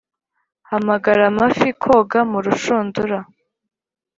hamagara amafi koga murushundura,